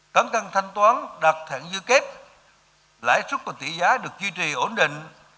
cấn cân thanh toán đạt thẳng dư kết lãi sức và tỷ giá được duy trì ổn định